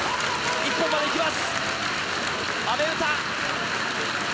一本までいきます。